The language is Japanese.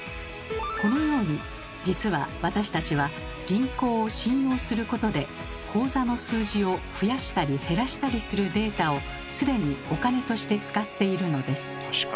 このように実は私たちは銀行を信用することで口座の数字を増やしたり減らしたりするデータを既にお金として使っているのです。